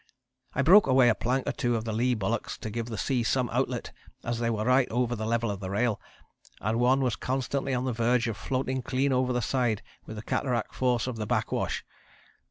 I broke away a plank or two of the lee bulwarks to give the seas some outlet as they were right over the level of the rail, and one was constantly on the verge of floating clean over the side with the cataract force of the backwash.